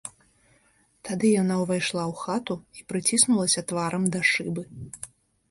Тады яна ўвайшла ў хату і прыціснулася тварам да шыбы.